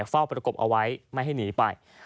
เฝ้าประกบเอาไว้ไม่ให้หนีไป